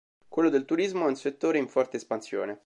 Quello del turismo è un settore in forte espansione.